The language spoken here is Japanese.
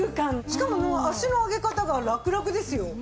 しかも足の上げ方がラクラクですよ。